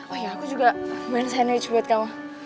oh iya aku juga buat sandwich buat kamu